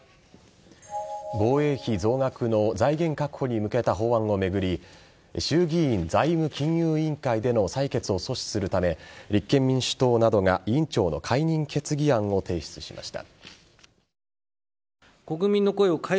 防衛費増税の財源確保に向けた法案を巡り衆議院財務金融委員会での採決を阻止するため立憲民主党などが委員長の解任決議案を提出しました。